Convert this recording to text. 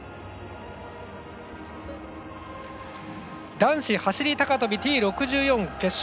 男子走り高跳びＴ６４決勝